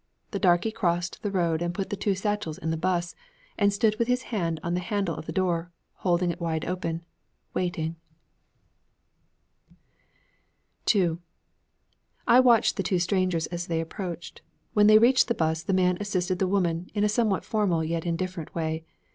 The darkey crossed the road and put the two satchels in the 'bus and stood with his hand on the handle of the door, holding it wide open, waiting. II I watched the two strangers as they approached. When they reached the 'bus the man assisted the woman, in a somewhat formal yet indifferent way.